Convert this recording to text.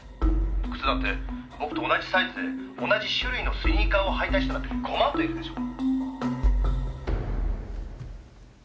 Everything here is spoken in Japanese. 「靴だって僕と同じサイズで同じ種類のスニーカーを履いた人なんてごまんといるでしょ！」